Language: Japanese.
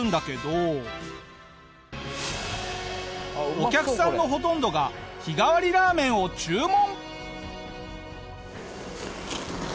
お客さんのほとんどが日替わりラーメンを注文。